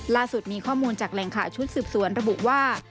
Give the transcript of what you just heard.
ล่าสุดมีข้อมูลจากแหล่งข่าวชุดสืบสวนระบุว่า